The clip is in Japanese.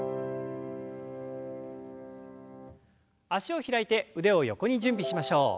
脚を開いて腕を横に準備しましょう。